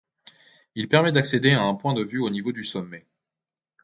Il permet d'accéder à un point de vue au niveau du sommet.